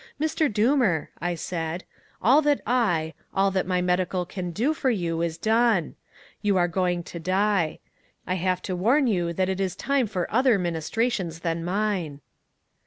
"'Mr. Doomer,' I said, 'all that I, all that any medical can do for you is done; you are going to die. I have to warn you that it is time for other ministrations than mine.'